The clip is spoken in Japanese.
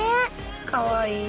かわいい！